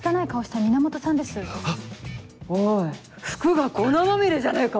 おい服が粉まみれじゃねえか！